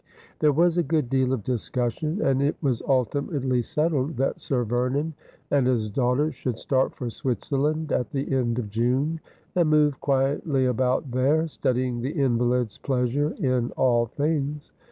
There was a good deal of discussion, and it was ultimately settled that Sir Vernon and his daughters should start for Switzerland at the end of June, and move quietly about there, studying the invalid's pleasure in all things.